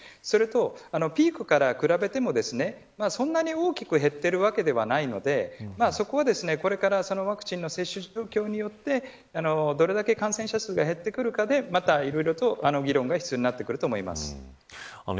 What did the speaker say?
それと、ピークから比べてもそんなに大きく減っているわけではないのでそこは、これからワクチンの接種状況によってどれだけ感染者数が減ってくるかで、またいろいろと議論が必要になってくると思います。